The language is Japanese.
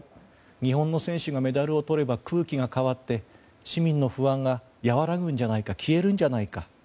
日本の選手がメダルをとれば空気が変わって市民の不安が和らぐんじゃないか消えるんじゃないか。